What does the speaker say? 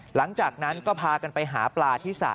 หลังจากนั้นก็พากันไปหาปลาที่สระ